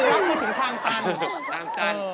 แล้วพี่ถึงข้างตัน